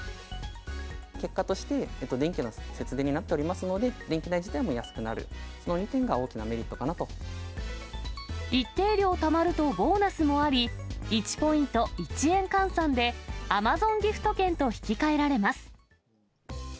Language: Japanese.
結果として、電気の節電になっておりますので、電気代自体も安くなる、一定量たまるとボーナスもあり、１ポイント１円換算で、Ａｍａｚｏｎギフト券と引き換えられます。